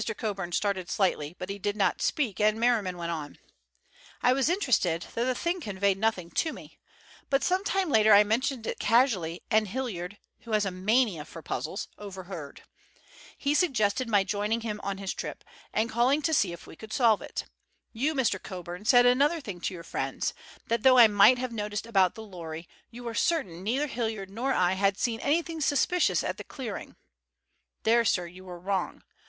Coburn started slightly, but he did not speak, and Merriman went on: "I was interested, though the thing conveyed nothing to me. But some time later I mentioned it casually, and Hilliard, who has a mania for puzzles, overheard. He suggested my joining him on his trip, and calling to see if we could solve it. You, Mr. Coburn, said another thing to your friends—that though I might have noticed about the lorry, you were certain neither Hilliard nor I had seen anything suspicious at the clearing. There, sir, you were wrong.